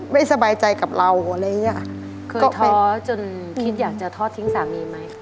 ไม่สบายใจกับเราอะไรอย่างเงี้ยเคยท้อจนคิดอยากจะทอดทิ้งสามีไหม